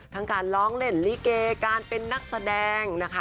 การร้องเล่นลิเกการเป็นนักแสดงนะคะ